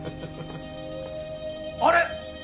あれ？